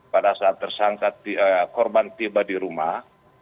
pada saat tersangka korban tiba di rumah